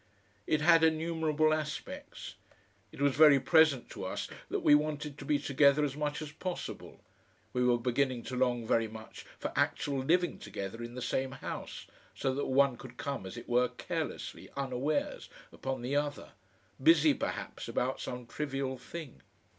It had innumerable aspects. It was very present to us that we wanted to be together as much as possible we were beginning to long very much for actual living together in the same house, so that one could come as it were carelessly unawares upon the other, busy perhaps about some trivial thing.